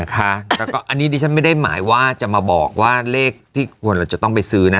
แล้วก็อันนี้ดิฉันไม่ได้หมายว่าจะมาบอกว่าเลขที่ควรเราจะต้องไปซื้อนะ